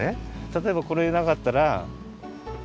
たとえばこれなかったら。